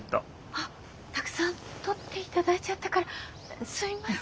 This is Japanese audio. あったくさん撮っていただいちゃったから。